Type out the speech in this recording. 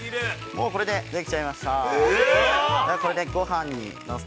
◆もうこれでできちゃいました。